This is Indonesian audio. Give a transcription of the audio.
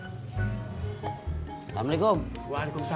ya udah besok aja mancingnya kalau pagi gue sehat